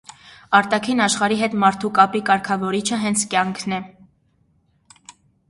Արտաքին աշխարհի հետ մարդու կապի կարգավորիչը հենց կյանքն է։